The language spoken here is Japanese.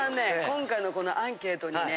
今回のこのアンケートにね。